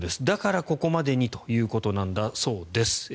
だから、ここまでにということなんだそうです。